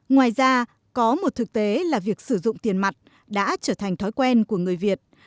ngoài ra có một thực tế là việc sử dụng tiền mặt đã trở thành thói quen của người việt